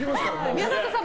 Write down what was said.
宮里さん